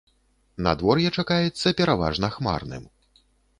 Надвор'е чакаецца пераважна хмарным.